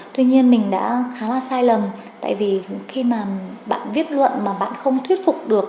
tuy nhiên mình đã khá là sai lầm tại vì khi mà bạn viết luận mà bạn không thuyết phục được